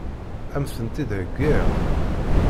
Ad m-tent-id-heggiɣ?